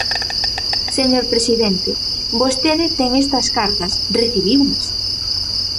Señor presidente, vostede ten estas cartas, recibiunas.